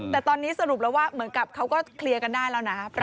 แต่ตอนนี้สรุปแล้วว่าเหมือนกับเขาก็เคลียร์กันได้แล้วนะ